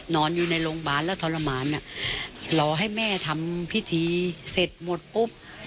นอนอยู่ในโรงพยาบาลแล้วทรมานอ่ะรอให้แม่ทำพิธีเสร็จหมดปุ๊บ